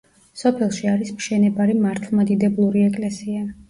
სოფელში არის მშენებარე მართლმადიდებლური ეკლესია.